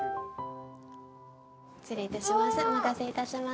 失礼いたします。